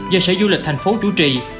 do sở du lịch tp hcm chủ trì